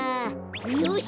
よし！